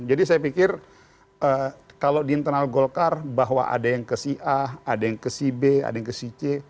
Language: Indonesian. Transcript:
jadi saya pikir kalau di internal golkar bahwa ada yang ke si a ada yang ke si b ada yang ke si c